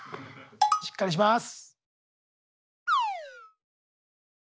しっかりします。